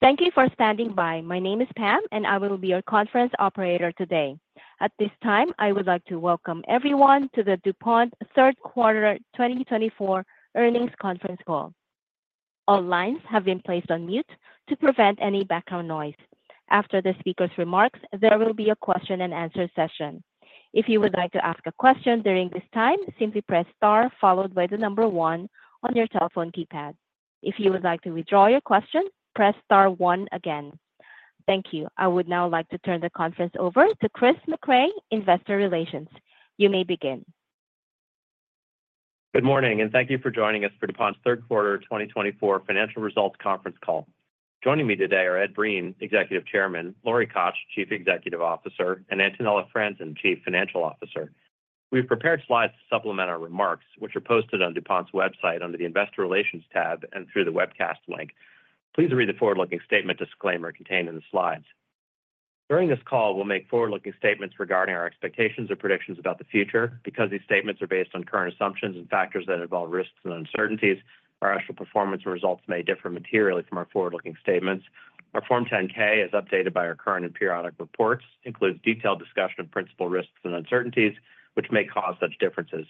Thank you for standing by. My name is Pam, and I will be your conference operator today. At this time, I would like to welcome everyone to the DuPont Third Quarter 2024 Earnings Conference Call. All lines have been placed on mute to prevent any background noise. After the speaker's remarks, there will be a question-and-answer session. If you would like to ask a question during this time, simply press star followed by the number one on your telephone keypad. If you would like to withdraw your question, press star one again. Thank you. I would now like to turn the conference over to Chris Mecray, Investor Relations. You may begin. Good morning, and thank you for joining us for DuPont's Third Quarter 2024 Financial Results Conference Call. Joining me today are Ed Breen, Executive Chairman, Lori Koch, Chief Executive Officer, and Antonella Franzen, Chief Financial Officer. We've prepared slides to supplement our remarks, which are posted on DuPont's website under the Investor Relations tab and through the webcast link. Please read the forward-looking statement disclaimer contained in the slides. During this call, we'll make forward-looking statements regarding our expectations or predictions about the future. Because these statements are based on current assumptions and factors that involve risks and uncertainties, our actual performance and results may differ materially from our forward-looking statements. Our Form 10-K, as updated by our current and periodic reports, includes detailed discussion of principal risks and uncertainties, which may cause such differences.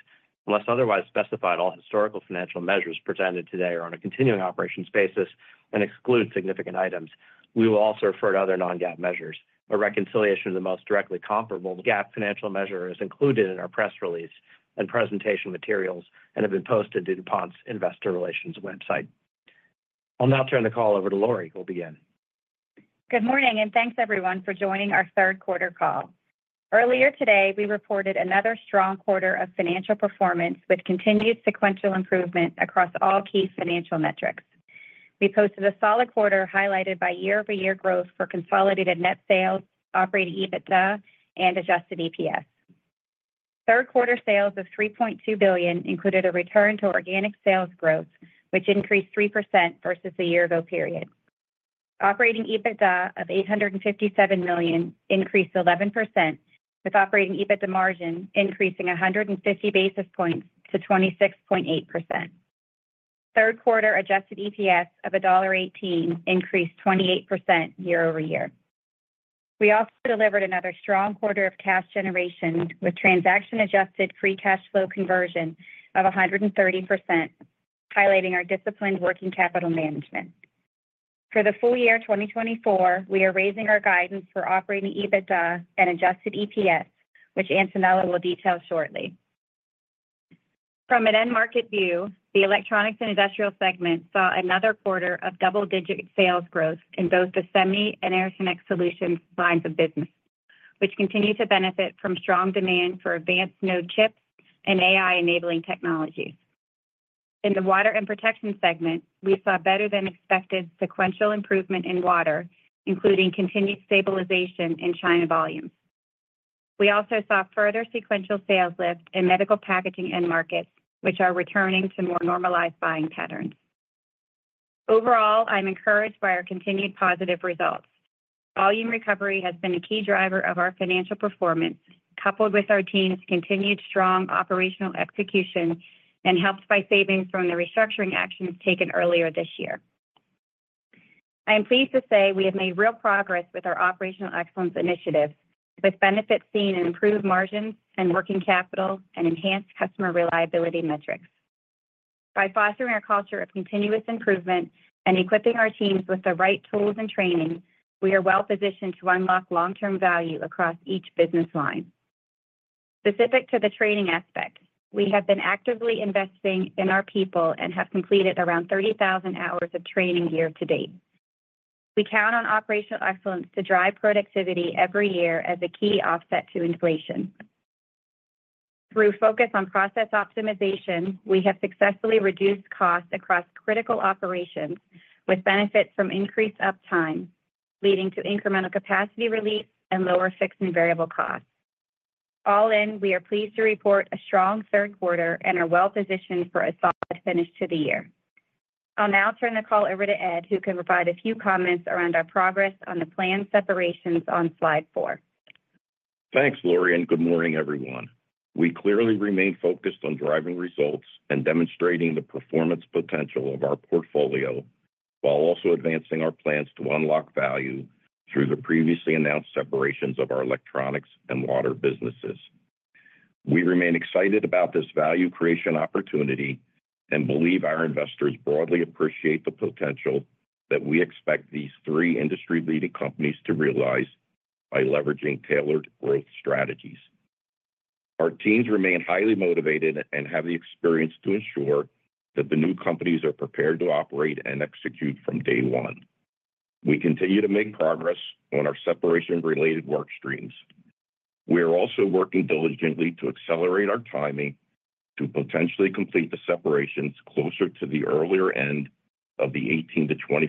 Unless otherwise specified, all historical financial measures presented today are on a continuing operations basis and exclude significant items. We will also refer to other non-GAAP measures. A reconciliation of the most directly comparable GAAP financial measure is included in our press release and presentation materials and has been posted to DuPont's Investor Relations website. I'll now turn the call over to Lori, who will begin. Good morning, and thanks, everyone, for joining our Third Quarter Call. Earlier today, we reported another strong quarter of financial performance with continued sequential improvement across all key financial metrics. We posted a solid quarter highlighted by year-over-year growth for consolidated net sales, operating EBITDA, and adjusted EPS. Third quarter sales of $3.2 billion included a return to organic sales growth, which increased 3% versus the year-ago period. Operating EBITDA of $857 million increased 11%, with operating EBITDA margin increasing 150 basis points to 26.8%. Third quarter adjusted EPS of $1.18 increased 28% year-over-year. We also delivered another strong quarter of cash generation with transaction-adjusted free cash flow conversion of 130%, highlighting our disciplined working capital management. For the full year 2024, we are raising our guidance for operating EBITDA and adjusted EPS, which Antonella will detail shortly. From an end-market view, the electronics and industrial segment saw another quarter of double-digit sales growth in both the semi and interconnect solutions lines of business, which continue to benefit from strong demand for advanced node chips and AI-enabling technologies. In the water and protection segment, we saw better-than-expected sequential improvement in water, including continued stabilization in China volumes. We also saw further sequential sales lift in medical packaging end markets, which are returning to more normalized buying patterns. Overall, I'm encouraged by our continued positive results. Volume recovery has been a key driver of our financial performance, coupled with our team's continued strong operational execution and helped by savings from the restructuring actions taken earlier this year. I am pleased to say we have made real progress with our operational excellence initiatives, with benefits seen in improved margins and working capital and enhanced customer reliability metrics. By fostering a culture of continuous improvement and equipping our teams with the right tools and training, we are well-positioned to unlock long-term value across each business line. Specific to the training aspect, we have been actively investing in our people and have completed around 30,000 hours of training year to date. We count on operational excellence to drive productivity every year as a key offset to inflation. Through focus on process optimization, we have successfully reduced costs across critical operations, with benefits from increased uptime, leading to incremental capacity release and lower fixed and variable costs. All in, we are pleased to report a strong third quarter and are well-positioned for a solid finish to the year. I'll now turn the call over to Ed, who can provide a few comments around our progress on the planned separations on slide four. Thanks, Lori, and good morning, everyone. We clearly remain focused on driving results and demonstrating the performance potential of our portfolio while also advancing our plans to unlock value through the previously announced separations of our electronics and water businesses. We remain excited about this value creation opportunity and believe our investors broadly appreciate the potential that we expect these three industry-leading companies to realize by leveraging tailored growth strategies. Our teams remain highly motivated and have the experience to ensure that the new companies are prepared to operate and execute from day one. We continue to make progress on our separation-related work streams. We are also working diligently to accelerate our timing to potentially complete the separations closer to the earlier end of the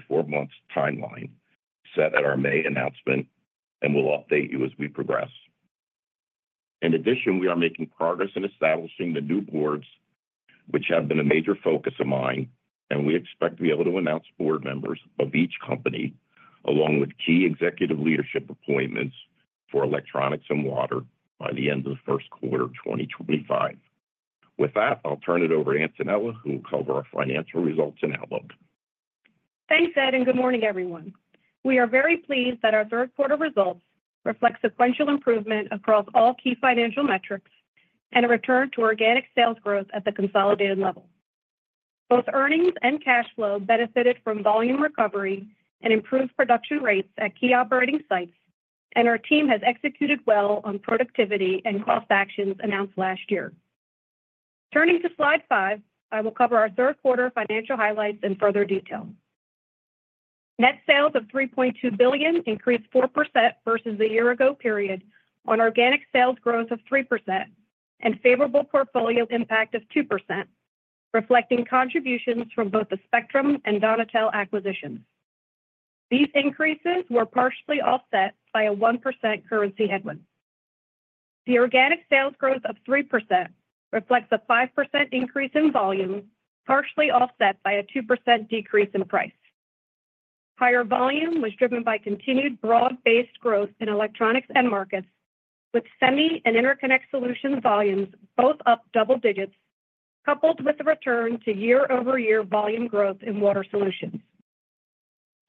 18-24 months timeline set at our May announcement, and we'll update you as we progress. In addition, we are making progress in establishing the new boards, which have been a major focus of mine, and we expect to be able to announce board members of each company along with key executive leadership appointments for electronics and water by the end of the first quarter of 2025. With that, I'll turn it over to Antonella, who will cover our financial results and outlook. Thanks, Ed, and good morning, everyone. We are very pleased that our third quarter results reflect sequential improvement across all key financial metrics and a return to organic sales growth at the consolidated level. Both earnings and cash flow benefited from volume recovery and improved production rates at key operating sites, and our team has executed well on productivity and cost actions announced last year. Turning to slide five, I will cover our third quarter financial highlights in further detail. Net sales of $3.2 billion increased 4% versus the year-ago period on organic sales growth of 3% and favorable portfolio impact of 2%, reflecting contributions from both the Spectrum and Donatelle acquisitions. These increases were partially offset by a 1% currency headwind. The organic sales growth of 3% reflects a 5% increase in volume, partially offset by a 2% decrease in price. Higher volume was driven by continued broad-based growth in electronics and markets, with semi and interconnect solution volumes both up double digits, coupled with the return to year-over-year volume growth in water solutions.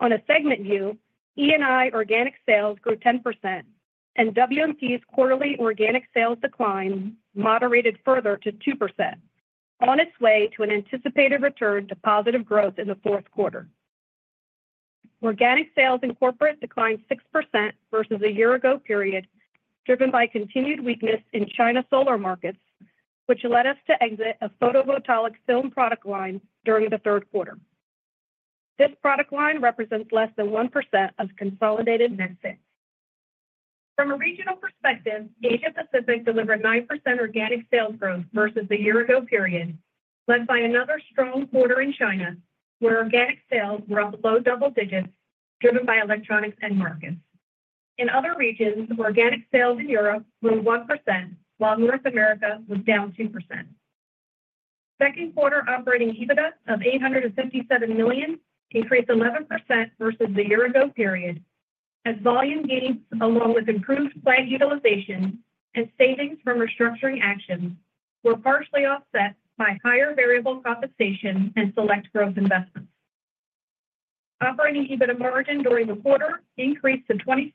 On a segment view, E&I organic sales grew 10%, and W&P's quarterly organic sales decline moderated further to 2%, on its way to an anticipated return to positive growth in the fourth quarter. Organic sales in corporate declined 6% versus a year-ago period, driven by continued weakness in China solar markets, which led us to exit a photovoltaic film product line during the third quarter. This product line represents less than 1% of consolidated net sales. From a regional perspective, Asia-Pacific delivered 9% organic sales growth versus the year-ago period, led by another strong quarter in China, where organic sales were up low double digits, driven by electronics and markets. In other regions, organic sales in Europe grew 1%, while North America was down 2%. Second quarter operating EBITDA of $857 million increased 11% versus the year-ago period, as volume gains, along with improved plant utilization and savings from restructuring actions, were partially offset by higher variable compensation and select growth investments. Operating EBITDA margin during the quarter increased to 26.8%,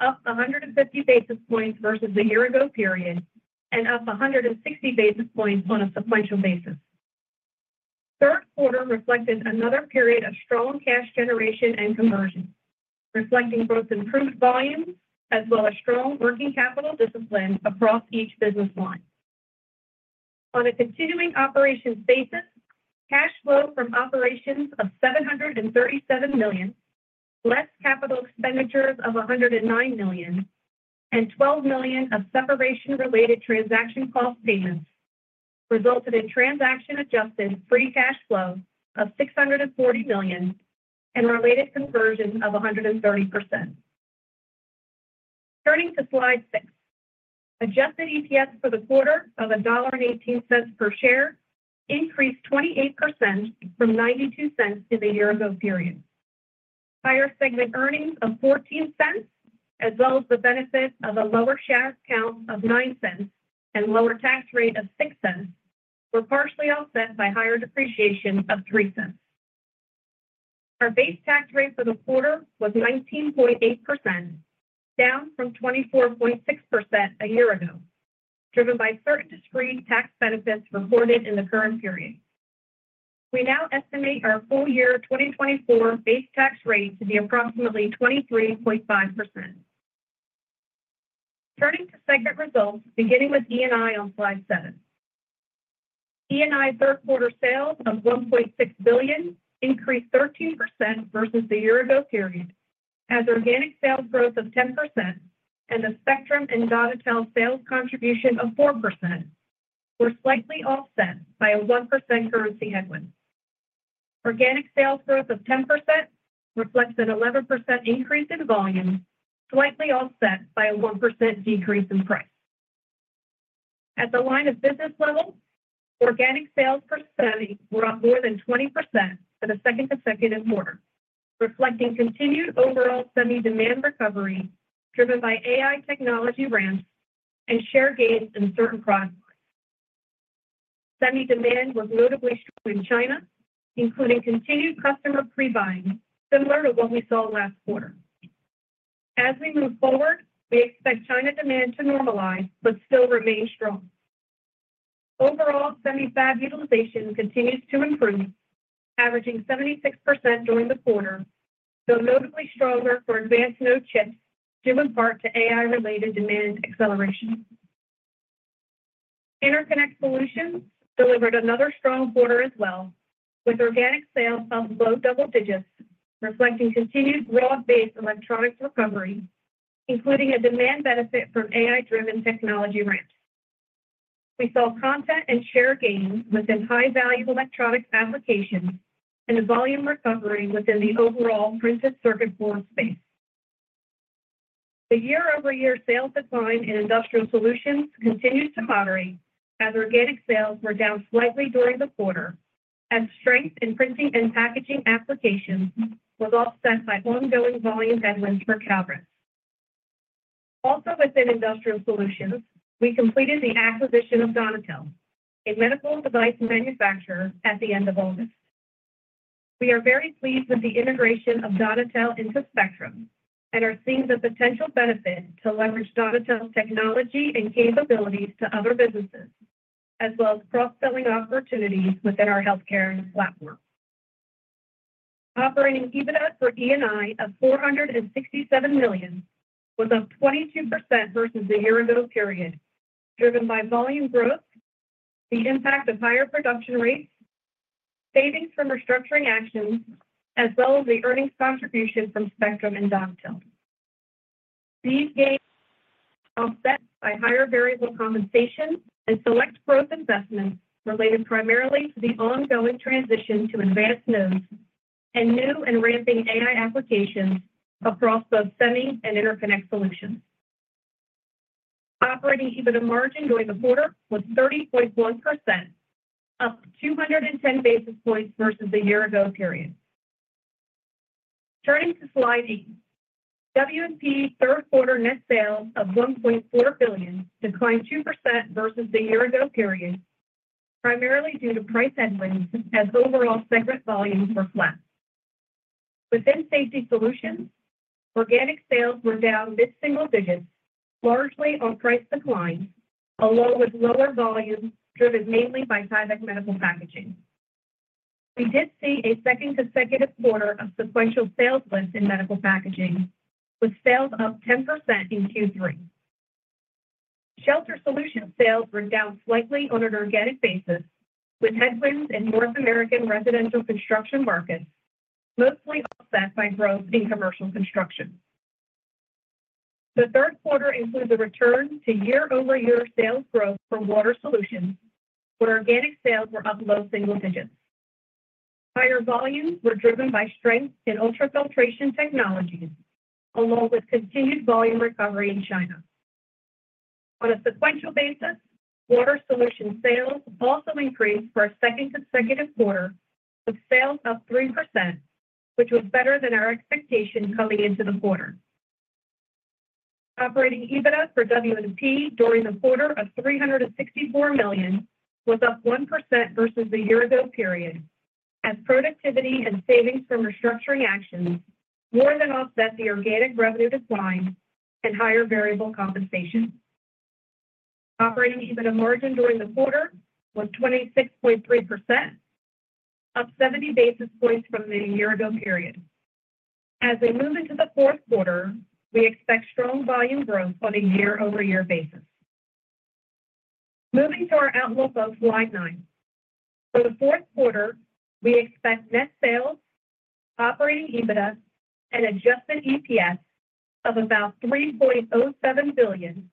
up 150 basis points versus the year-ago period, and up 160 basis points on a sequential basis. Third quarter reflected another period of strong cash generation and conversion, reflecting both improved volumes as well as strong working capital discipline across each business line. On a continuing operations basis, cash flow from operations of $737 million, less capital expenditures of $109 million, and $12 million of separation-related transaction cost payments resulted in transaction-adjusted free cash flow of $640 million and related conversion of 130%. Turning to slide six, adjusted EPS for the quarter of $1.18 per share increased 28% from $0.92 in the year-ago period. Higher segment earnings of $0.14, as well as the benefit of a lower share count of $0.09 and lower tax rate of $0.06, were partially offset by higher depreciation of $0.03. Our base tax rate for the quarter was 19.8%, down from 24.6% a year ago, driven by certain discrete tax benefits reported in the current period. We now estimate our full year 2024 base tax rate to be approximately 23.5%. Turning to segment results, beginning with E&I on slide seven. E&I third quarter sales of $1.6 billion increased 13% versus the year-ago period, as organic sales growth of 10% and the Spectrum and Donatelle sales contribution of 4% were slightly offset by a 1% currency headwind. Organic sales growth of 10% reflects an 11% increase in volume, slightly offset by a 1% decrease in price. At the line of business level, organic sales per semi were up more than 20% for the second consecutive quarter, reflecting continued overall semi demand recovery driven by AI technology ramps and share gains in certain products. Semi demand was notably strong in China, including continued customer pre-buying, similar to what we saw last quarter. As we move forward, we expect China demand to normalize but still remain strong. Overall, semi fab utilization continues to improve, averaging 76% during the quarter, though notably stronger for advanced node chips, due in part to AI-related demand acceleration. Interconnect solutions delivered another strong quarter as well, with organic sales up low double digits, reflecting continued broad-based electronics recovery, including a demand benefit from AI-driven technology ramps. We saw content and share gains within high-value electronics applications and a volume recovery within the overall printed circuit board space. The year-over-year sales decline in industrial solutions continues to moderate as organic sales were down slightly during the quarter, as strength in printing and packaging applications was offset by ongoing volume headwinds for Kalrez. Also within industrial solutions, we completed the acquisition of Donatelle, a medical device manufacturer, at the end of August. We are very pleased with the integration of Donatelle into Spectrum and are seeing the potential benefit to leverage Donatelle's technology and capabilities to other businesses, as well as cross-selling opportunities within our healthcare platform. Operating EBITDA for E&I of $467 million was up 22% versus the year-ago period, driven by volume growth, the impact of higher production rates, savings from restructuring actions, as well as the earnings contribution from Spectrum and Donatelle. These gains are offset by higher variable compensation and select growth investments related primarily to the ongoing transition to advanced nodes and new and ramping AI applications across both semi and interconnect solutions. Operating EBITDA margin during the quarter was 30.1%, up 210 basis points versus the year-ago period. Turning to slide eight, WMP third quarter net sales of $1.4 billion declined 2% versus the year-ago period, primarily due to price headwinds as overall segment volumes were flat. Within safety solutions, organic sales were down mid-single digits, largely on price decline, along with lower volume driven mainly by Tyvek medical packaging. We did see a second consecutive quarter of sequential sales lift in medical packaging, with sales up 10% in Q3. Shelter solution sales were down slightly on an organic basis, with headwinds in North American Residential construction markets mostly offset by growth in commercial construction. The third quarter included a return to year-over-year sales growth for water solutions, where organic sales were up low single digits. Higher volumes were driven by strength in ultrafiltration technologies, along with continued volume recovery in China. On a sequential basis, water solution sales also increased for a second consecutive quarter, with sales up 3%, which was better than our expectation coming into the quarter. Operating EBITDA for WMP during the quarter of $364 million was up 1% versus the year-ago period, as productivity and savings from restructuring actions more than offset the organic revenue decline and higher variable compensation. Operating EBITDA margin during the quarter was 26.3%, up 70 basis points from the year-ago period. As we move into the fourth quarter, we expect strong volume growth on a year-over-year basis. Moving to our outlook on slide nine. For the fourth quarter, we expect net sales, operating EBITDA, and adjusted EPS of about $3.07 billion,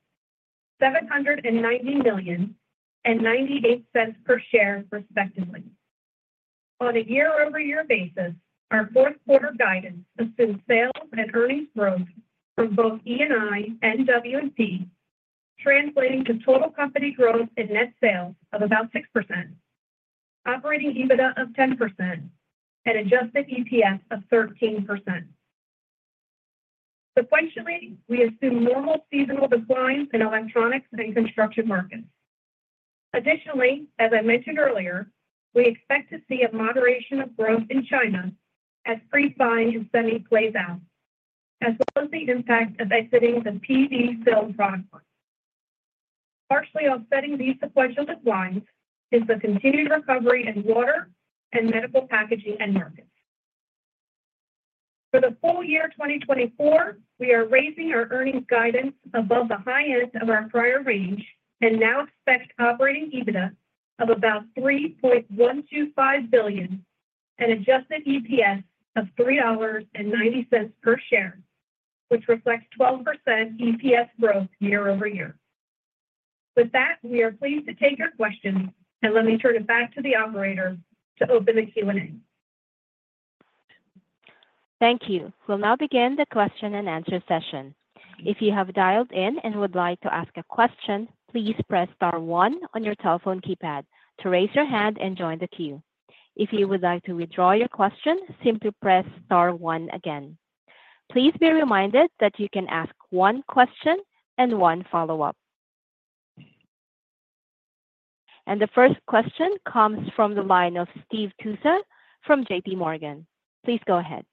$790 million, and $0.98 per share, respectively. On a year-over-year basis, our fourth quarter guidance assumes sales and earnings growth from both E&I and WMP, translating to total company growth and net sales of about 6%, operating EBITDA of 10%, and adjusted EPS of 13%. Sequentially, we assume normal seasonal declines in electronics and construction markets. Additionally, as I mentioned earlier, we expect to see a moderation of growth in China as pre-buying and semi plays out, as well as the impact of exiting the PV film product line. Partially offsetting these sequential declines is the continued recovery in water and medical packaging and markets. For the full year 2024, we are raising our earnings guidance above the high end of our prior range and now expect operating EBITDA of about $3.125 billion and adjusted EPS of $3.90 per share, which reflects 12% EPS growth year-over-year. With that, we are pleased to take your questions, and let me turn it back to the operator to open the Q&A. Thank you. We'll now begin the question and answer session. If you have dialed in and would like to ask a question, please press star one on your telephone keypad to raise your hand and join the queue. If you would like to withdraw your question, simply press star one again. Please be reminded that you can ask one question and one follow-up. And the first question comes from the line of Stephen Tusa from JPMorgan. Please go ahead.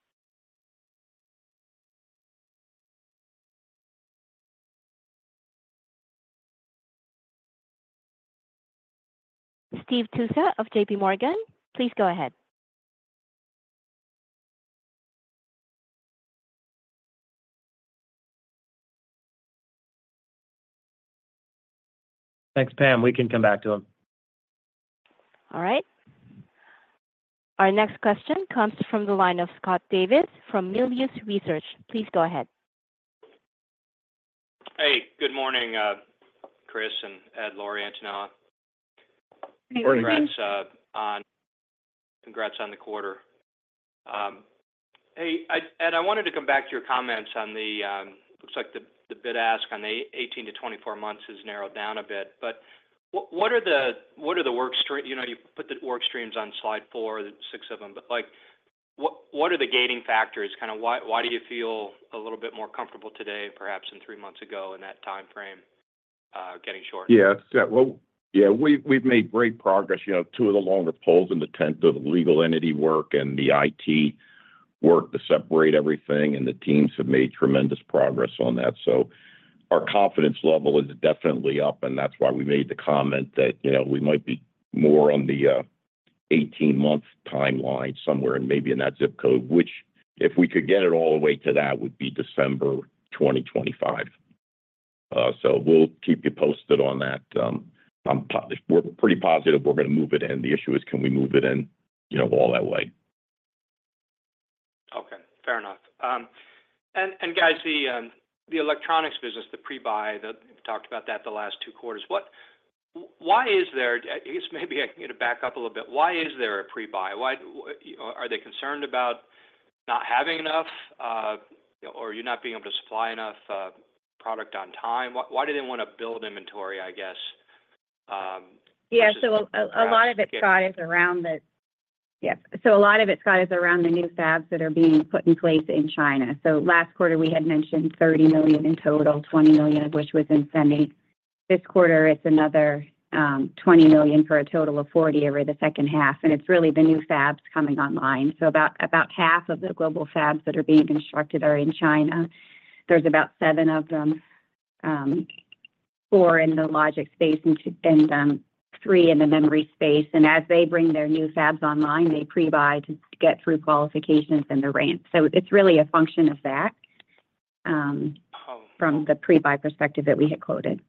Stephen Tusa of JPMorgan, please go ahead. Thanks, Pam. We can come back to him. All right. Our next question comes from the line of Scott Davis from Melius Research. Please go ahead. Hey, good morning, Chris and Ed, Lori, Antonella. Hey, congrats. Congrats on the quarter. Hey, Ed, I wanted to come back to your comments on the, looks like the bid-ask on the 18-24 months has narrowed down a bit. But what are the work streams? You put the work streams on slide four, six of them. But what are the gating factors? Kind of why do you feel a little bit more comfortable today, perhaps than three months ago in that timeframe, getting short? Yeah. Well, yeah, we've made great progress. Two of the longer poles in the tent, the legal entity work and the IT work to separate everything, and the teams have made tremendous progress on that, so our confidence level is definitely up, and that's why we made the comment that we might be more on the 18-month timeline somewhere and maybe in that zip code, which if we could get it all the way to that would be December 2025, so we'll keep you posted on that. We're pretty positive we're going to move it in. The issue is, can we move it in all that way? Okay. Fair enough. And guys, the electronics business, the pre-buy, we've talked about that the last two quarters. Why is there a pre-buy? I guess maybe I need to back up a little bit. Why is there a pre-buy? Are they concerned about not having enough, or are you not being able to supply enough product on time? Why do they want to build inventory, I guess? Yeah. So a lot of it's got us around the new fabs that are being put in place in China. So last quarter, we had mentioned $30 million in total, $20 million of which was in semi. This quarter, it's another $20 million for a total of $40 million over the second half. And it's really the new fabs coming online. So about half of the global fabs that are being constructed are in China. There's about seven of them, four in the logic space and three in the memory space. And as they bring their new fabs online, they pre-buy to get through qualifications and the ramp. So it's really a function of that from the pre-buy perspective that we had quoted.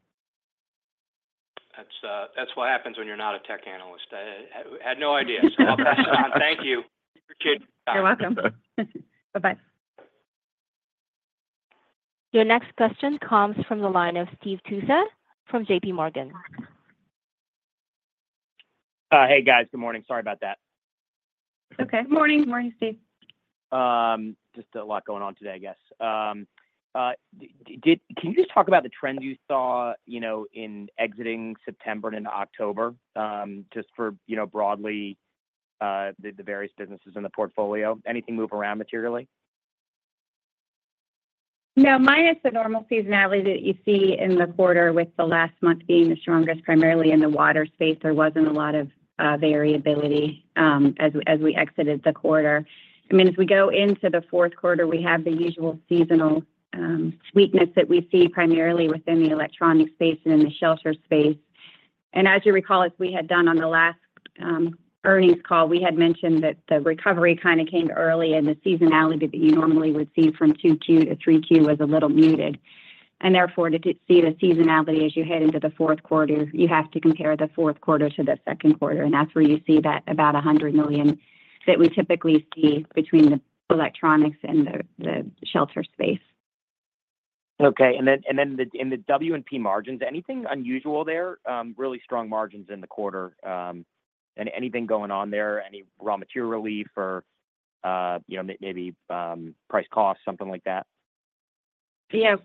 That's what happens when you're not a tech analyst. I had no idea. So I'll pass it on. Thank you. Appreciate it. You're welcome. Bye-bye. Your next question comes from the line of Steve Tusa from JPMorgan. Hey, guys. Good morning. Sorry about that. Okay. Good morning. Good morning, Steve. Just a lot going on today, I guess. Can you just talk about the trends you saw in exiting September and in October, just for broadly the various businesses in the portfolio? Anything move around materially? No, minus the normal seasonality that you see in the quarter, with the last month being the strongest primarily in the water space, there wasn't a lot of variability as we exited the quarter. I mean, as we go into the fourth quarter, we have the usual seasonal weakness that we see primarily within the electronics space and in the shelter space, and as you recall, as we had done on the last earnings call, we had mentioned that the recovery kind of came early, and the seasonality that you normally would see from 2Q to 3Q was a little muted, and therefore, to see the seasonality as you head into the fourth quarter, you have to compare the fourth quarter to the second quarter, and that's where you see that about $100 million that we typically see between the electronics and the shelter space. Okay. And then in the W&P margins, anything unusual there? Really strong margins in the quarter. And anything going on there? Any raw material relief or maybe price cost, something like that? Yeah.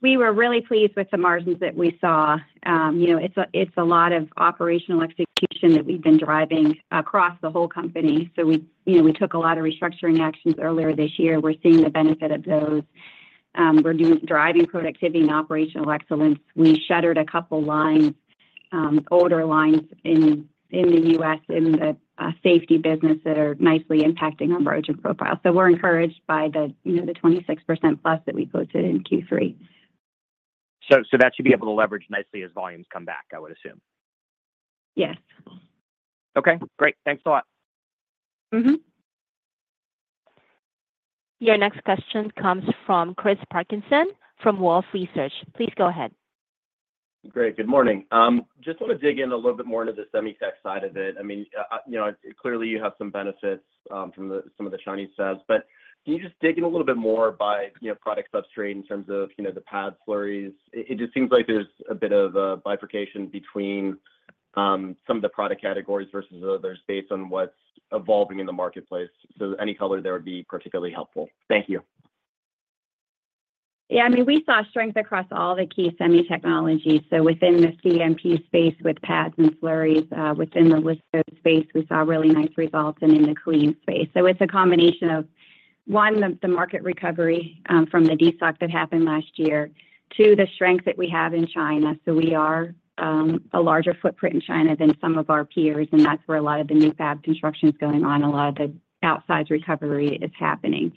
We were really pleased with the margins that we saw. It's a lot of operational execution that we've been driving across the whole company. So we took a lot of restructuring actions earlier this year. We're seeing the benefit of those. We're driving productivity and operational excellence. We shuttered a couple of lines, older lines in the U.S. in the safety business that are nicely impacting our margin profile. So we're encouraged by the 26% plus that we posted in Q3. So that should be able to leverage nicely as volumes come back, I would assume. Yes. Okay. Great. Thanks a lot. Your next question comes from Chris Parkinson from Wolfe Research. Please go ahead. Great. Good morning. Just want to dig in a little bit more into the semi-tech side of it. I mean, clearly, you have some benefits from some of the Chinese fabs. But can you just dig in a little bit more by product substrate in terms of the pads, slurries? It just seems like there's a bit of a bifurcation between some of the product categories versus others based on what's evolving in the marketplace. So any color there would be particularly helpful. Thank you. Yeah. I mean, we saw strength across all the key semi-technologies. So within the CMP space with pads and slurries, within the litho space, we saw really nice results and in the clean space. So it's a combination of, one, the market recovery from the destocking that happened last year, two, the strength that we have in China. So we are a larger footprint in China than some of our peers, and that's where a lot of the new fab construction is going on. A lot of the outsized recovery is happening.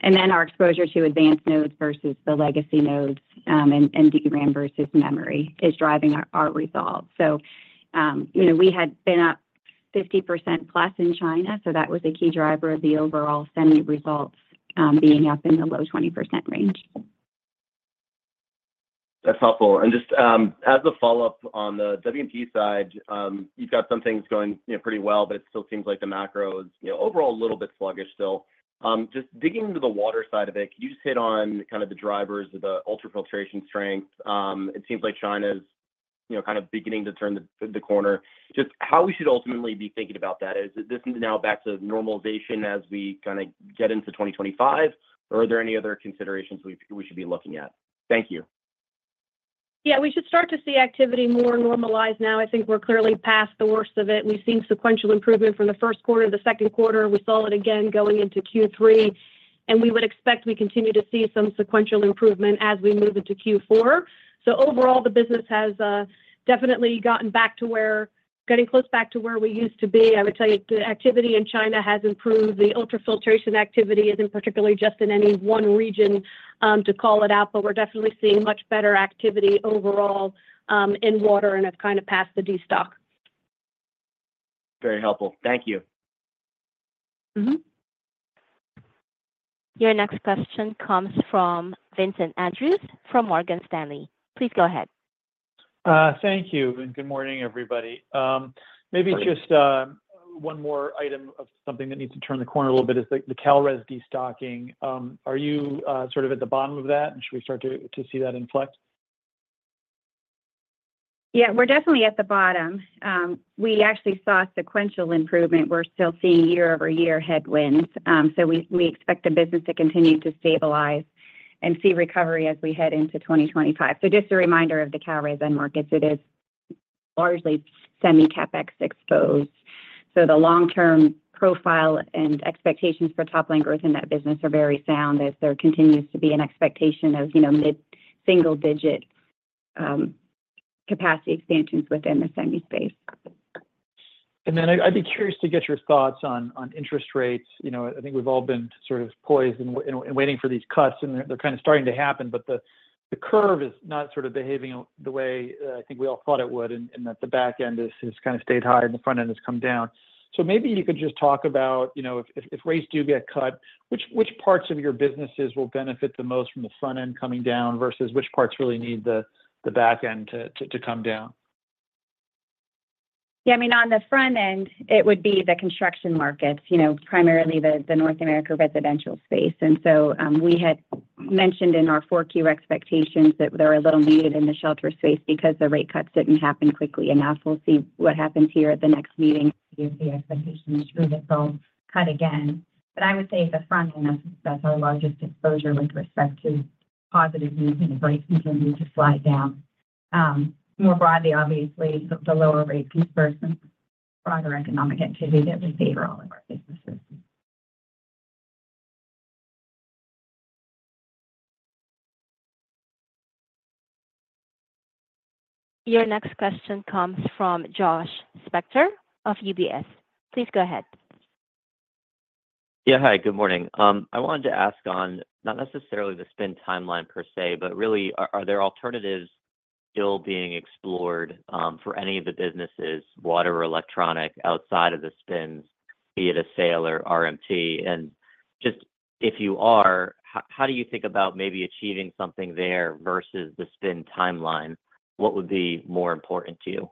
And then our exposure to advanced nodes versus the legacy nodes and DRAM versus memory is driving our results. So we had been up 50% plus in China, so that was a key driver of the overall semi results being up in the low 20% range. That's helpful. And just as a follow-up on the W&P side, you've got some things going pretty well, but it still seems like the macro is overall a little bit sluggish still. Just digging into the water side of it, could you just hit on kind of the drivers of the ultrafiltration strength? It seems like China's kind of beginning to turn the corner. Just how we should ultimately be thinking about that? Is this now back to normalization as we kind of get into 2025, or are there any other considerations we should be looking at? Thank you. Yeah. We should start to see activity more normalized now. I think we're clearly past the worst of it. We've seen sequential improvement from the first quarter to the second quarter. We saw it again going into Q3, and we would expect we continue to see some sequential improvement as we move into Q4, so overall, the business has definitely gotten back to where we're getting close to where we used to be. I would tell you the activity in China has improved. The ultrafiltration activity isn't particularly just in any one region to call it out, but we're definitely seeing much better activity overall in water and have kind of passed the destocking. Very helpful. Thank you. Your next question comes from Vincent Andrews from Morgan Stanley. Please go ahead. Thank you and good morning, everybody. Maybe just one more item of something that needs to turn the corner a little bit is the Kalrez destocking. Are you sort of at the bottom of that, and should we start to see that inflect? Yeah. We're definitely at the bottom. We actually saw sequential improvement. We're still seeing year-over-year headwinds. So we expect the business to continue to stabilize and see recovery as we head into 2025. So just a reminder of the Kalrez end markets. It is largely semi-capex exposed. So the long-term profile and expectations for top-line growth in that business are very sound as there continues to be an expectation of mid-single-digit capacity expansions within the semi space. And then I'd be curious to get your thoughts on interest rates. I think we've all been sort of poised and waiting for these cuts, and they're kind of starting to happen, but the curve is not sort of behaving the way I think we all thought it would, and that the back end has kind of stayed high and the front end has come down. So maybe you could just talk about if rates do get cut, which parts of your businesses will benefit the most from the front end coming down versus which parts really need the back end to come down? Yeah. I mean, on the front end, it would be the construction markets, primarily the North America Residential space. And so we had mentioned in our Q4 expectations that there'll be a little needed in the shelter space because the rate cuts didn't happen quickly enough. We'll see what happens here at the next meeting to see if the expectation is true that they'll cut again. But I would say the front end, that's our largest exposure with respect to positive movement of rates and continue to slide down. More broadly, obviously, the lower rate environment, broader economic activity that would favor all of our businesses. Your next question comes from Josh Spector of UBS. Please go ahead. Yeah. Hi. Good morning. I wanted to ask on not necessarily the spin timeline per se, but really, are there alternatives still being explored for any of the businesses, water or electronic, outside of the spins, be it a sale or RMT? And just if you are, how do you think about maybe achieving something there versus the spin timeline? What would be more important to you?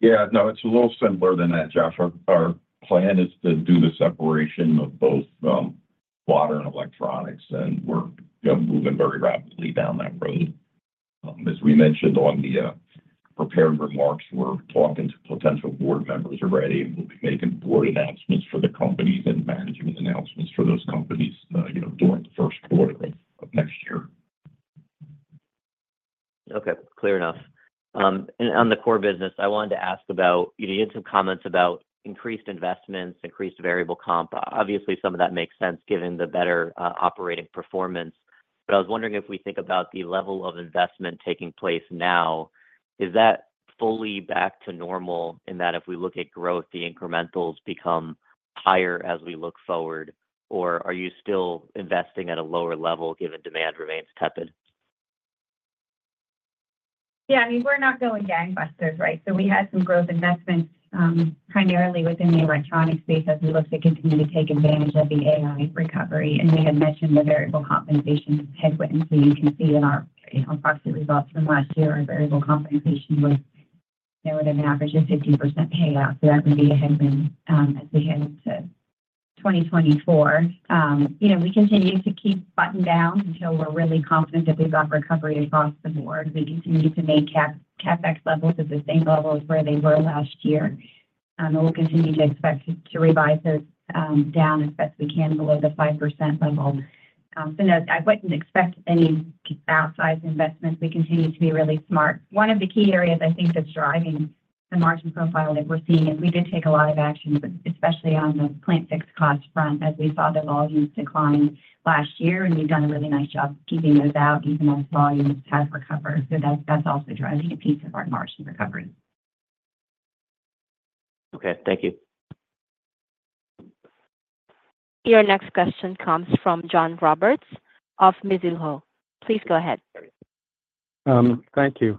Yeah. No, it's a little simpler than that, Jeff. Our plan is to do the separation of both water and electronics, and we're moving very rapidly down that road. As we mentioned on the prepared remarks, we're talking to potential board members already, and we'll be making board announcements for the companies and management announcements for those companies during the first quarter of next year. Okay. Clear enough and on the core business, I wanted to ask about you did some comments about increased investments, increased variable comp. Obviously, some of that makes sense given the better operating performance. But I was wondering if we think about the level of investment taking place now, is that fully back to normal in that if we look at growth, the incrementals become higher as we look forward, or are you still investing at a lower level given demand remains tepid? Yeah. I mean, we're not going gangbusters, right? So we had some growth investments primarily within the electronics space as we look to continue to take advantage of the AI recovery. And we had mentioned the variable compensation headwinds. So you can see in our proxy results from last year, our variable compensation was an average of 50% payout. So that would be a headwind as we head into 2024. We continue to keep buttoned down until we're really confident that we've got recovery across the board. We continue to make CapEx levels at the same levels where they were last year. And we'll continue to expect to revise those down as best we can below the 5% level. So no, I wouldn't expect any outsized investments. We continue to be really smart. One of the key areas I think that's driving the margin profile that we're seeing is we did take a lot of action, especially on the plant fixed cost front, as we saw the volumes decline last year, and we've done a really nice job keeping those out even as volumes have recovered. So that's also driving a piece of our margin recovery. Okay. Thank you. Your next question comes from John Roberts of Mizuho. Please go ahead. Thank you.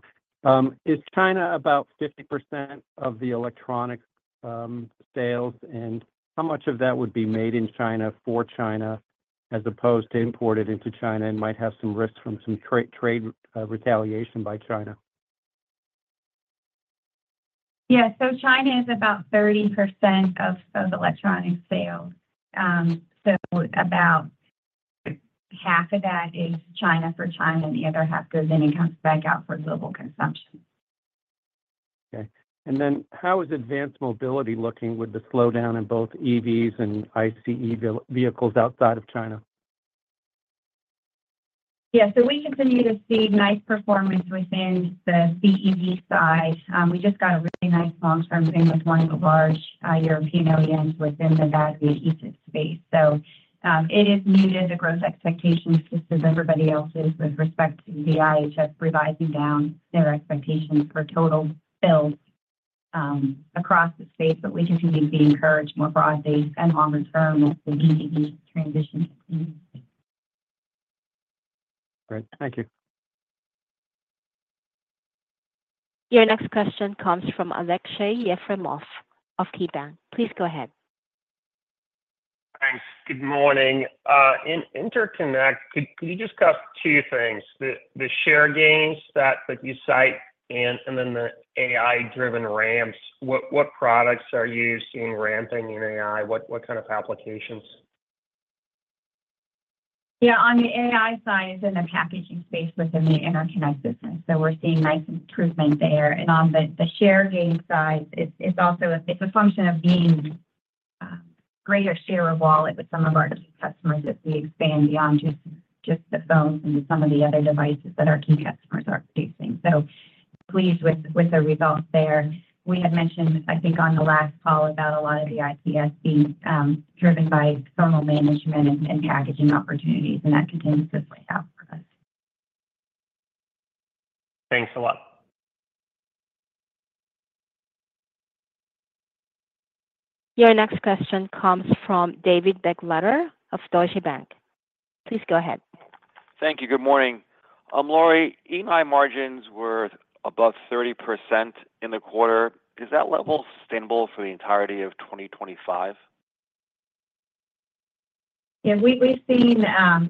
Is China about 50% of the electronics sales, and how much of that would be made in China for China as opposed to imported into China and might have some risk from some trade retaliation by China? Yeah. China is about 30% of electronics sales. About half of that is China for China, and the other half goes in and comes back out for global consumption. Okay. And then how is advanced mobility looking with the slowdown in both EVs and ICE vehicles outside of China? Yeah. So we continue to see nice performance within the CEV side. We just got a really nice long-term thing with one of the large European OEMs within the battery adhesives space. So it is muted, the growth expectations just as everybody else is with respect to the IHS revising down their expectations for total builds across the space, but we continue to be encouraged more broadly and longer term as the EV transition continues. Great. Thank you. Your next question comes from Alexei Yefremov of KeyBanc. Please go ahead. Thanks. Good morning. In Interconnect, could you discuss two things? The share gains that you cite and then the AI-driven ramps, what products are you seeing ramping in AI? What kind of applications? Yeah. On the AI side is in the packaging space within the Interconnect business. So we're seeing nice improvement there. And on the share gain side, it's a function of being greater share of wallet with some of our key customers as we expand beyond just the phones and some of the other devices that our key customers are producing. So pleased with the results there. We had mentioned, I think, on the last call about a lot of the ICS being driven by thermal management and packaging opportunities, and that continues to play out for us. Thanks a lot. Your next question comes from David Begleiter of Deutsche Bank. Please go ahead. Thank you. Good morning. Lori, E&I margins were above 30% in the quarter. Is that level sustainable for the entirety of 2025? Yeah. We've seen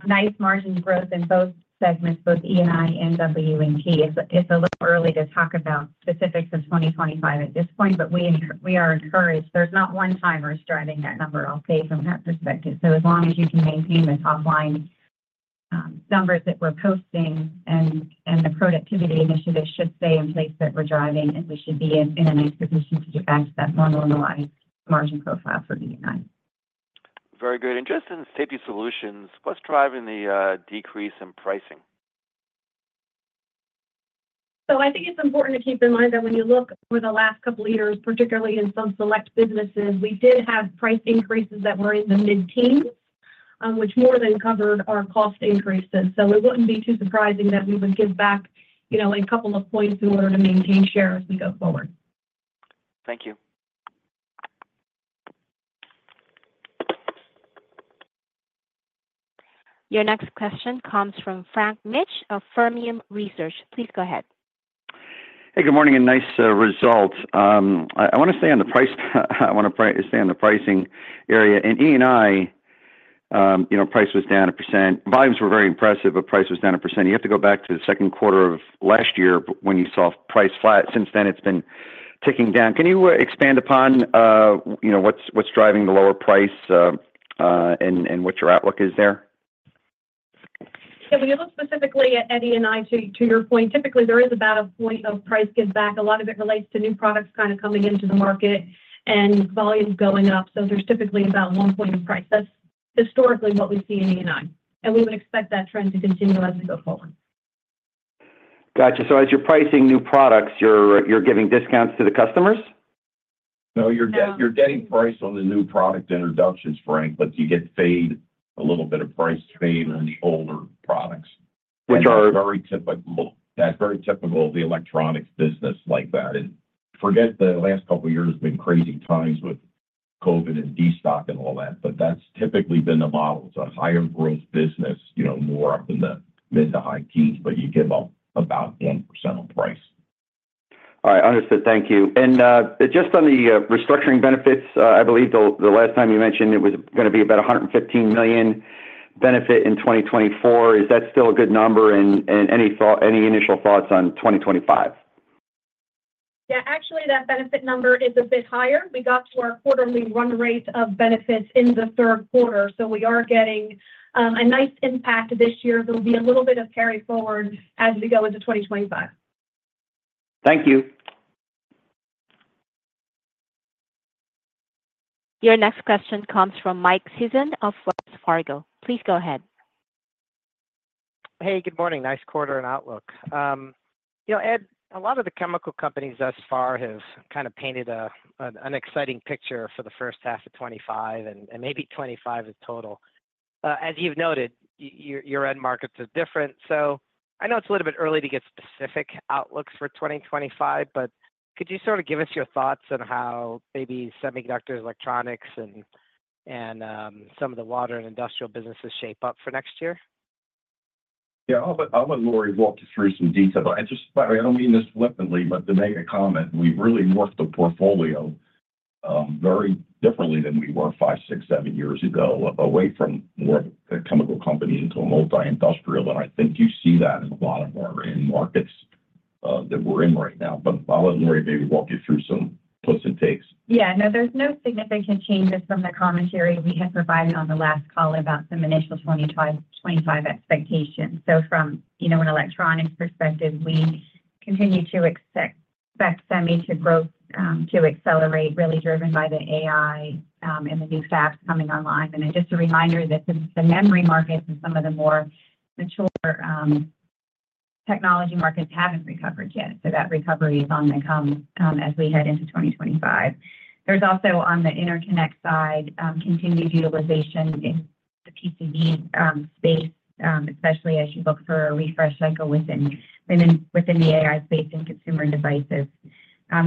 nice margin growth in both segments, both E&I and W&T. It's a little early to talk about specifics of 2025 at this point, but we are encouraged. There's not one thing driving that number, I'll say, from that perspective. So as long as you can maintain the top-line numbers that we're posting and the productivity initiative should stay in place that we're driving, and we should be in a nice position to get back to that more normalized margin profile for E&I. Very good. And just in safety solutions, what's driving the decrease in pricing? I think it's important to keep in mind that when you look over the last couple of years, particularly in some select businesses, we did have price increases that were in the mid-teens, which more than covered our cost increases. It wouldn't be too surprising that we would give back a couple of points in order to maintain share as we go forward. Thank you. Your next question comes from Frank Mitsch of Fermium Research. Please go ahead. Hey. Good morning and nice results. I want to stay on the pricing area. In E&I, price was down 1%. Volumes were very impressive, but price was down 1%. You have to go back to the second quarter of last year when you saw price flat. Since then, it's been ticking down. Can you expand upon what's driving the lower price and what your outlook is there? Yeah. When you look specifically at E&I, to your point, typically there is about a point of price give back. A lot of it relates to new products kind of coming into the market and volume going up. So there's typically about one point of price. That's historically what we see in E&I. And we would expect that trend to continue as we go forward. Gotcha. So as you're pricing new products, you're giving discounts to the customers? No. You're getting price on the new product introductions, Frank, but you get paid a little bit of price pain on the older products, which are very typical of the electronics business like that. And forget the last couple of years have been crazy times with COVID and destocking and all that, but that's typically been the model. It's a higher growth business, more up in the mid to high teens, but you give up about 1% on price. All right. Understood. Thank you. And just on the restructuring benefits, I believe the last time you mentioned it was going to be about $115 million benefit in 2024. Is that still a good number? And any initial thoughts on 2025? Yeah. Actually, that benefit number is a bit higher. We got to our quarterly run rate of benefits in the third quarter. So we are getting a nice impact this year. There'll be a little bit of carry forward as we go into 2025. Thank you. Your next question comes from Mike Sison of Wells Fargo. Please go ahead. Hey. Good morning. Nice quarter and outlook. Ed, a lot of the chemical companies thus far have kind of painted an exciting picture for the first half of 2025 and maybe 2025 as total. As you've noted, your end markets are different. So I know it's a little bit early to get specific outlooks for 2025, but could you sort of give us your thoughts on how maybe semiconductors, electronics, and some of the water and industrial businesses shape up for next year? Yeah. I'll let Lori walk you through some detail, and just by the way, I don't mean this flippantly, but to make a comment, we've really worked the portfolio very differently than we were five, six, seven years ago, away from more of a chemical company into a multi-industrial. And I think you see that in a lot of our end markets that we're in right now, but I'll let Lori maybe walk you through some puts and takes. Yeah. No, there's no significant changes from the commentary we had provided on the last call about some initial 2025 expectations. So from an electronics perspective, we continue to expect semi to growth to accelerate, really driven by the AI and the new fabs coming online. And then just a reminder that the memory markets and some of the more mature technology markets haven't recovered yet. So that recovery is on the come as we head into 2025. There's also on the Interconnect side, continued utilization in the PCB space, especially as you look for a refresh cycle within the AI space and consumer devices.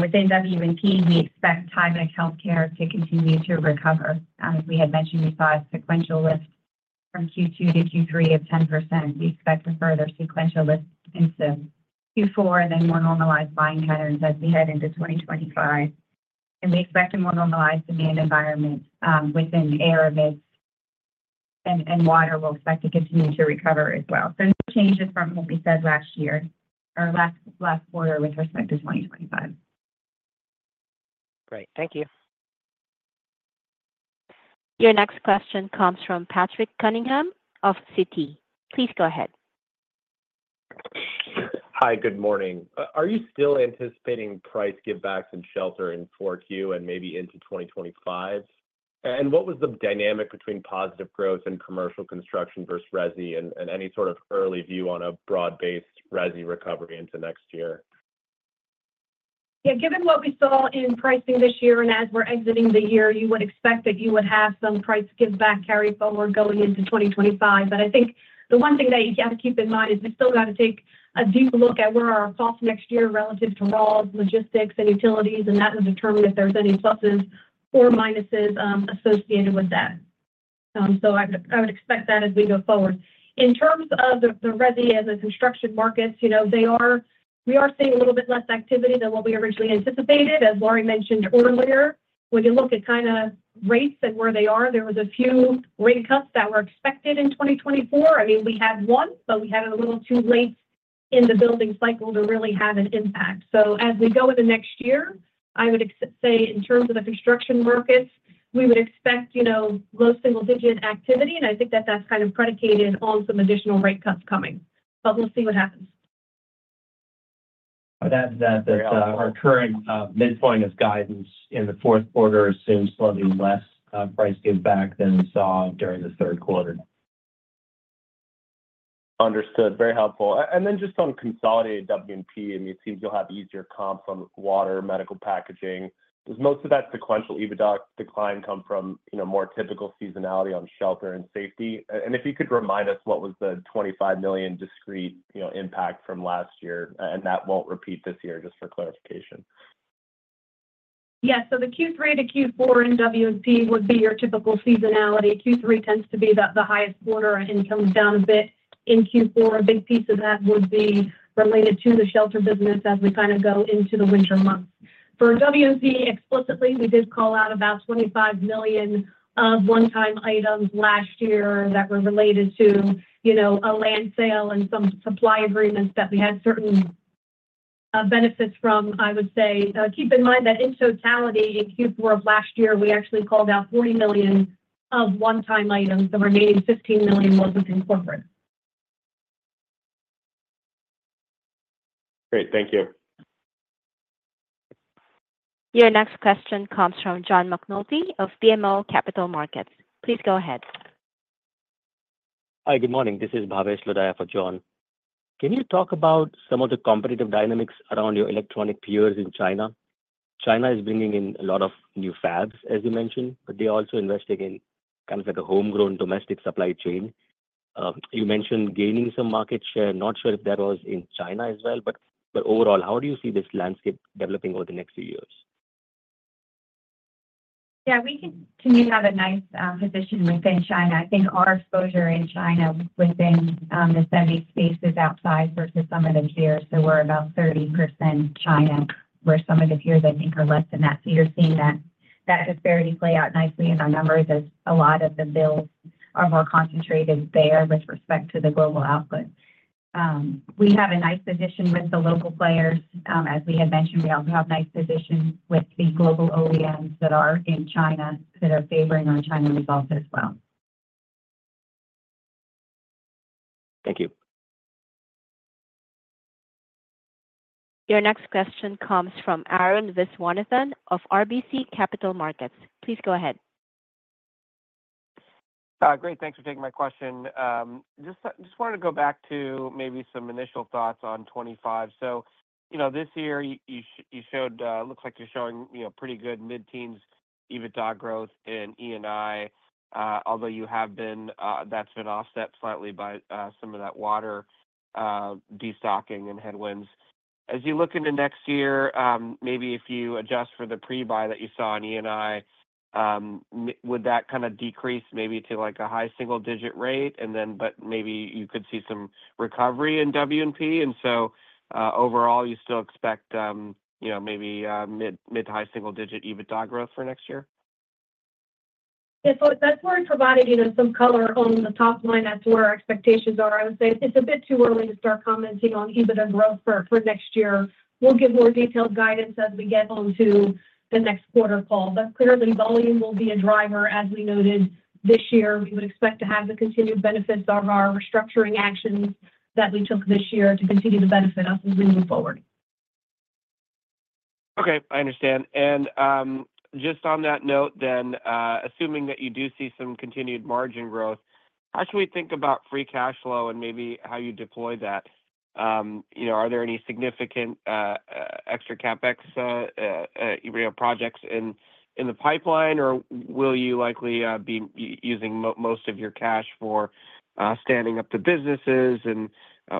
Within W&T, we expect Tyvek Healthcare to continue to recover. As we had mentioned, we saw a sequential lift from Q2 to Q3 of 10%. We expect a further sequential lift into Q4 and then more normalized buying patterns as we head into 2025. We expect a more normalized demand environment within our mix and water. We'll expect to continue to recover as well. No changes from what we said last year or last quarter with respect to 2025. Great. Thank you. Your next question comes from Patrick Cunningham of Citi. Please go ahead. Hi. Good morning. Are you still anticipating price give backs and shelter in 4Q and maybe into 2025? And what was the dynamic between positive growth and commercial construction versus Resi and any sort of early view on a broad-based Resi recovery into next year? Yeah. Given what we saw in pricing this year and as we're exiting the year, you would expect that you would have some price give back carry forward going into 2025. But I think the one thing that you got to keep in mind is we still got to take a deep look at where our costs next year relative to raws, logistics, and utilities, and that will determine if there's any pluses or minuses associated with that. So I would expect that as we go forward. In terms of the Resi as a construction market, we are seeing a little bit less activity than what we originally anticipated, as Lori mentioned earlier. When you look at kind of rates and where they are, there was a few rate cuts that were expected in 2024. I mean, we had one, but we had it a little too late in the building cycle to really have an impact, so as we go into next year, I would say in terms of the construction markets, we would expect low single-digit activity, and I think that that's kind of predicated on some additional rate cuts coming, but we'll see what happens. I would add to that that our current midpoint of guidance in the fourth quarter assumes slightly less price give back than we saw during the third quarter. Understood. Very helpful. And then just on consolidated W&P, I mean, it seems you'll have easier comps on water, medical packaging. Does most of that sequential EVODOC decline come from more typical seasonality on shelter and safety? And if you could remind us, what was the $25 million discrete impact from last year? And that won't repeat this year, just for clarification. Yeah. So the Q3 to Q4 in W&P would be your typical seasonality. Q3 tends to be the highest quarter and comes down a bit in Q4. A big piece of that would be related to the shelter business as we kind of go into the winter months. For W&P explicitly, we did call out about $25 million of one-time items last year that were related to a land sale and some supply agreements that we had certain benefits from, I would say. Keep in mind that in totality in Q4 of last year, we actually called out $40 million of one-time items. The remaining $15 million was within corporate. Great. Thank you. Your next question comes from John McNulty of BMO Capital Markets. Please go ahead. Hi. Good morning. This is Bhavesh Lodaya for John. Can you talk about some of the competitive dynamics around your electronic peers in China? China is bringing in a lot of new fabs, as you mentioned, but they're also investing in kind of like a homegrown domestic supply chain. You mentioned gaining some market share. Not sure if that was in China as well. But overall, how do you see this landscape developing over the next few years? Yeah. We continue to have a nice position within China. I think our exposure in China within the semi space is outsized versus some of the peers. So we're about 30% China, where some of the peers, I think, are less than that. So you're seeing that disparity play out nicely in our numbers as a lot of the builds are more concentrated there with respect to the global output. We have a nice position with the local players, as we had mentioned. We also have nice positions with the global OEMs that are in China that are favoring our China results as well. Thank you. Your next question comes from Arun Viswanathan of RBC Capital Markets. Please go ahead. Great. Thanks for taking my question. Just wanted to go back to maybe some initial thoughts on 2025. So this year, it looks like you're showing pretty good mid-teens organic growth in E&I, although that's been offset slightly by some of that water destocking and headwinds. As you look into next year, maybe if you adjust for the pre-buy that you saw in E&I, would that kind of decrease maybe to a high single-digit rate? But maybe you could see some recovery in W&P. And so overall, you still expect maybe mid- to high single-digit organic growth for next year? Yeah, so that's where I provided some color on the top line. That's where our expectations are. I would say it's a bit too early to start commenting on EV adoption growth for next year. We'll give more detailed guidance as we get onto the next quarter call, but clearly, volume will be a driver. As we noted this year, we would expect to have the continued benefits of our restructuring actions that we took this year to continue to benefit us as we move forward. Okay. I understand. And just on that note then, assuming that you do see some continued margin growth, how should we think about free cash flow and maybe how you deploy that? Are there any significant extra CapEx projects in the pipeline, or will you likely be using most of your cash for standing up the businesses,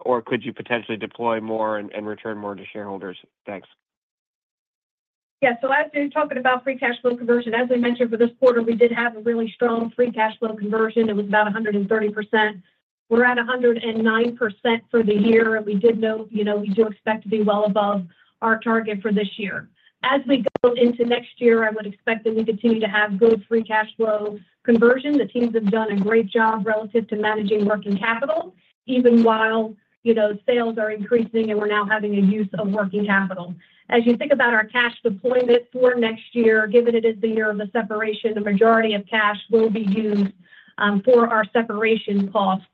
or could you potentially deploy more and return more to shareholders? Thanks. Yeah, so as you're talking about free cash flow conversion, as I mentioned, for this quarter, we did have a really strong free cash flow conversion. It was about 130%. We're at 109% for the year. And we do expect to be well above our target for this year. As we go into next year, I would expect that we continue to have good free cash flow conversion. The teams have done a great job relative to managing working capital, even while sales are increasing and we're now having a use of working capital. As you think about our cash deployment for next year, given it is the year of the separation, the majority of cash will be used for our separation costs.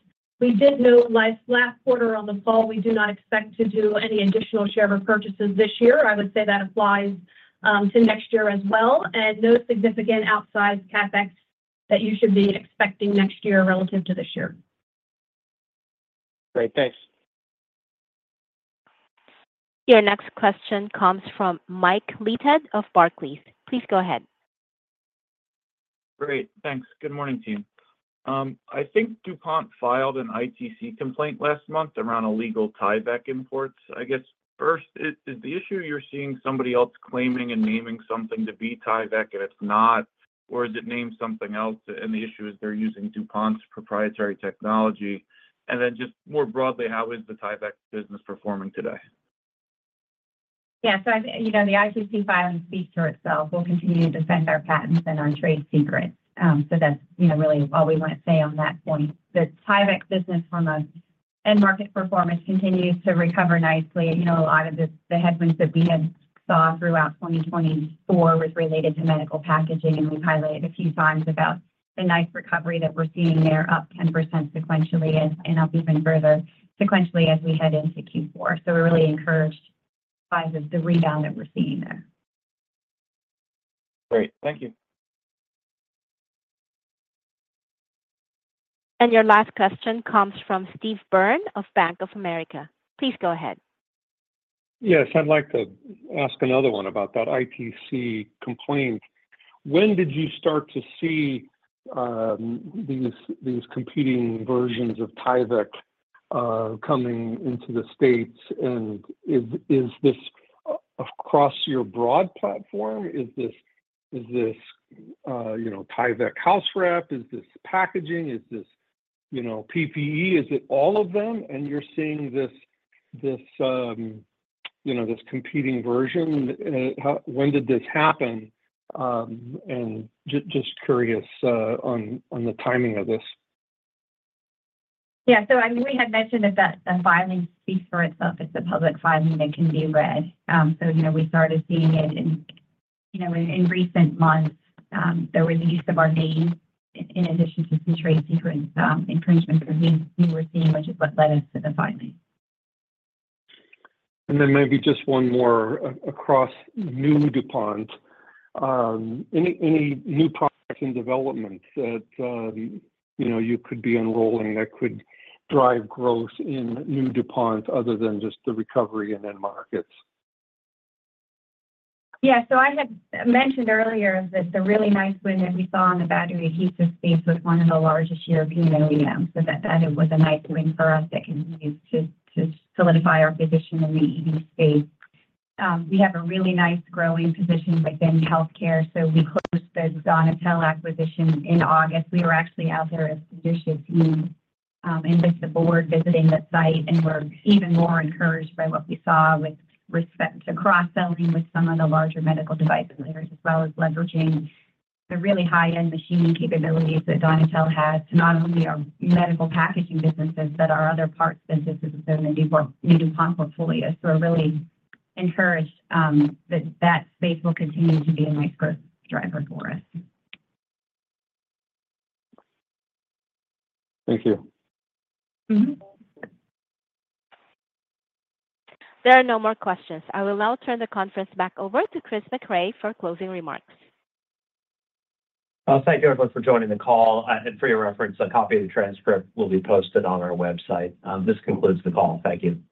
We did note last quarter on the call, we do not expect to do any additional share repurchases this year. I would say that applies to next year as well. And no significant outsized CapEx that you should be expecting next year relative to this year. Great. Thanks. Your next question comes from Mike Leithead of Barclays. Please go ahead. Great. Thanks. Good morning, team. I think DuPont filed an ITC complaint last month around a legal Tyvek import. I guess first, is the issue you're seeing somebody else claiming and naming something to be Tyvek and it's not, or is it named something else? And the issue is they're using DuPont's proprietary technology. And then just more broadly, how is the Tyvek business performing today? Yeah. So the ITC filing speaks for itself. We'll continue to defend our patents and our trade secrets. So that's really all we want to say on that point. The Tyvek business from an end market performance continues to recover nicely. A lot of the headwinds that we had saw throughout 2024 was related to medical packaging. And we've highlighted a few times about the nice recovery that we're seeing there, up 10% sequentially and up even further sequentially as we head into Q4. So we're really encouraged by the rebound that we're seeing there. Great. Thank you. Your last question comes from Steve Byrne of Bank of America. Please go ahead. Yes. I'd like to ask another one about that ITC complaint. When did you start to see these competing versions of Tyvek coming into the States? And is this across your broad platform? Is this Tyvek house wrap? Is this packaging? Is this PPE? And you're seeing this competing version. When did this happen? And just curious on the timing of this. Yeah. So I mean, we had mentioned that the filing speaks for itself. It's a public filing that can be read. So we started seeing it in recent months, the release of our name in addition to some trade secrets infringement that we were seeing, which is what led us to the filing. And then maybe just one more across new DuPont. Any new products in development that you could be enrolling that could drive growth in new DuPont other than just the recovery in end markets? Yeah. So I had mentioned earlier that the really nice win that we saw in the battery adhesive space was one of the largest European OEMs, so that it was a nice win for us that continues to solidify our position in the EV space. We have a really nice growing position within healthcare, so we closed the Donatelle acquisition in August. We were actually out there as a leadership team and with the board visiting the site, and we're even more encouraged by what we saw with respect to cross-selling with some of the larger medical device players as well as leveraging the really high-end machining capabilities that Donatelle has to not only our medical packaging businesses, but our other parts businesses within the DuPont portfolio, so we're really encouraged that that space will continue to be a nice growth driver for us. Thank you. There are no more questions. I will now turn the conference back over to Chris Mecray for closing remarks. Thank you, everyone, for joining the call. And for your reference, a copy of the transcript will be posted on our website. This concludes the call. Thank you.